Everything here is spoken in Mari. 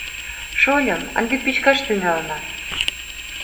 — Шольым, ынде пӱчкаш тӱҥалына.